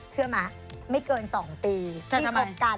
เชื่อไหมไม่เกิน๒ปีที่คบกัน